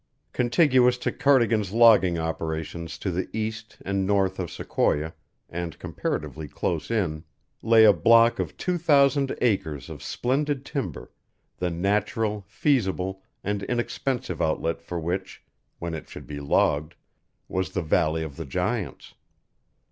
Contiguous to Cardigan's logging operations to the east and north of Sequoia, and comparatively close in, lay a block of two thousand acres of splendid timber, the natural, feasible, and inexpensive outlet for which, when it should be logged, was the Valley of the Giants.